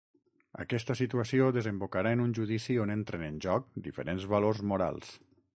Aquesta situació desembocarà en un judici on entren en joc diferents valors morals.